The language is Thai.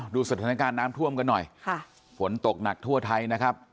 ดูสถานการณ์น้ำท่วมกันหน่อยค่ะฝนตกหนักทั่วไทยนะครับ